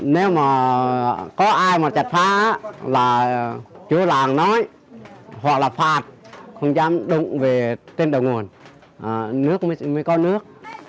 nếu có ai mà chặt phá là chủ làng nói hoặc là phạt không dám đụng về tên đồng nguồn nước mới có nước